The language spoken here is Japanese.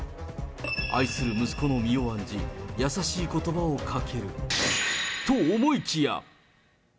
愛する息子の身を案じ、優しいことばをかける。と思いきや。